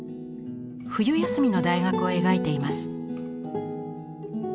冬休みの大学を描いています。